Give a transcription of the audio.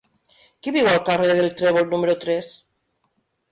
Qui viu al carrer del Trèvol número tres?